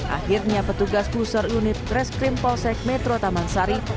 akhirnya petugas klusur unit kreskrim polsek metro taman sari